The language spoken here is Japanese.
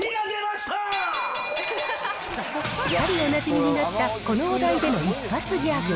すっかりおなじみになった、このお題での一発ギャグ。